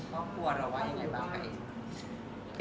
พ่อปวดหรือว่าอย่างไรบ้าง